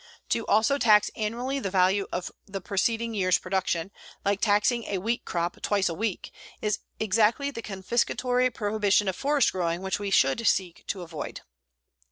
To also tax annually the value of proceeding years' production, like taxing a wheat crop twice a week, is exactly the confiscatory prohibition of forest growing which we should seek to avoid.